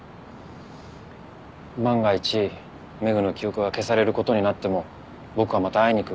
万が一廻の記憶が消されることになっても僕はまた会いにくる。